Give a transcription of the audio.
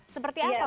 seperti apa bu